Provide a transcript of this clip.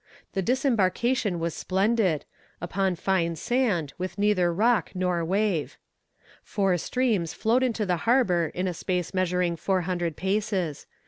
The disembarkation was splendid upon fine sand, with neither rock nor wave. "Four streams flowed into the harbour in a space measuring four hundred paces.